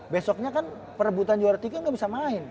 besoknya kan perebutan juara tiga nggak bisa main